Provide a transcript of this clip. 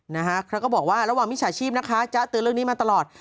นะคะเขาก็บอกว่าระหว่างมิจฉาชีพนะคะจ๊ะเตือนเรื่องนี้มาตลอด